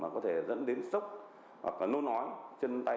có thể dẫn đến sốc hoặc nôn ói trên tay